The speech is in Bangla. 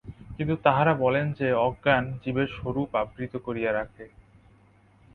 কিন্তু তাঁহারা বলেন যে, অজ্ঞান জীবের স্বরূপ আবৃত করিয়া রাখে।